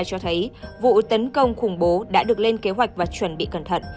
cho thấy vụ tấn công khủng bố đã được lên kế hoạch và chuẩn bị cẩn thận